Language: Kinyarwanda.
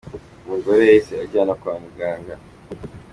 Uyu mugore yahise ajyana kwa muganga.